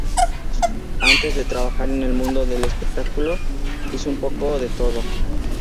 Antes de trabajar en el mundo del espectáculo, hizo un poco de todo.